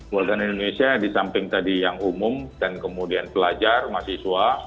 warga negara indonesia disamping tadi yang umum dan kemudian pelajar mahasiswa